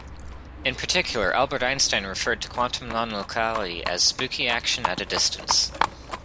In particular, Albert Einstein referred to quantum nonlocality as "spooky action at a distance".